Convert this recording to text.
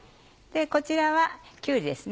こちらはきゅうりですね。